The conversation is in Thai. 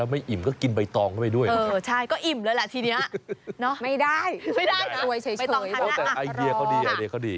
ไม่ได้ไม่ได้